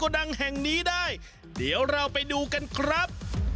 ดังแห่งนี้ได้เดี๋ยวเราไปดูกันครับ